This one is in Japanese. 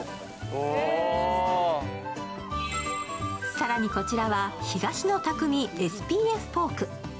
更にこちらは東の匠・ＳＰＦポーク。